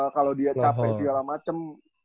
kalau dia capek segala macem